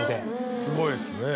すごいですね。